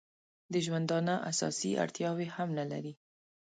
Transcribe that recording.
د ژوندانه اساسي اړتیاوې هم نه لري.